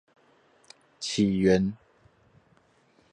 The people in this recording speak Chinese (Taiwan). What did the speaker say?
起源